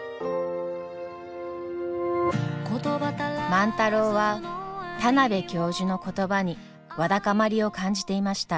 万太郎は田邊教授の言葉にわだかまりを感じていました。